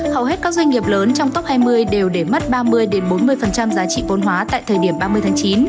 hầu hết các doanh nghiệp lớn trong top hai mươi đều để mất ba mươi bốn mươi giá trị vốn hóa tại thời điểm ba mươi tháng chín